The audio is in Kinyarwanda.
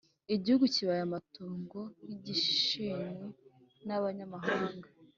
Igihugu kibaye amatongo nk’igishenywe n’abanyamahanga